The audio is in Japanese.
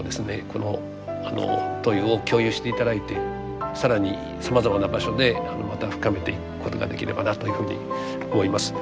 この問いを共有して頂いて更にさまざまな場所でまた深めていくことができればなというふうに思います。